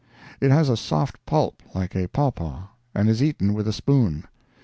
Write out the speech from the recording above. It has a soft pulp, like a pawpaw, and is eaten with a spoon.